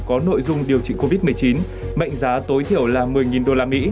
có nội dung điều trị covid một mươi chín mệnh giá tối thiểu là một mươi usd